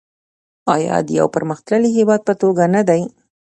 آیا د یو پرمختللي هیواد په توګه نه دی؟